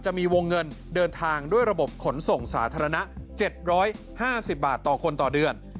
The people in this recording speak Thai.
จะมีวงเงินเดินทางด้วยระบบขนส่งสาธารณะ๗๕๐บาทต่อคนต่อเดือน